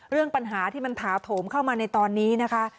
เรื่องปัญหาที่มันถาโถมเข้ามาในตอนนี้นะคะ